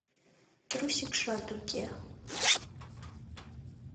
Трусикшат уке.